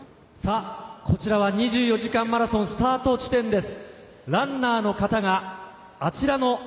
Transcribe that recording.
２４時間マラソンスタート地点です。